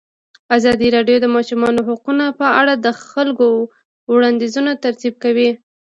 ازادي راډیو د د ماشومانو حقونه په اړه د خلکو وړاندیزونه ترتیب کړي.